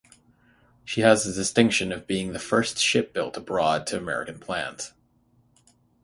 She has the distinction of being the first ship built abroad to American plans.